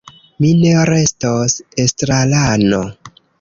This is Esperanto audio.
Mi ne restos estrarano.